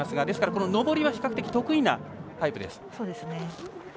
ですから、上りは比較的得意なタイプです。